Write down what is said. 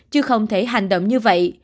chứ không thể hành động như vậy